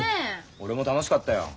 俺も楽しかったよ。